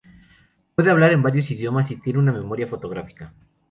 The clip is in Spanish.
Puede hablar en varios idiomas y tiene una memoria fotográfica.